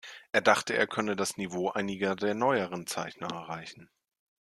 Er dachte, er könne das Niveau einiger der neueren Zeichner erreichen.